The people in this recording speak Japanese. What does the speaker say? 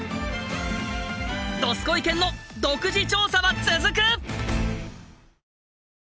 「どすこい研」の独自調査は続く！